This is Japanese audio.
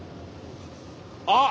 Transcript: あっ！